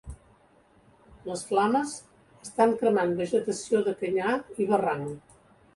Les flames estan cremant vegetació de canyar i barranc.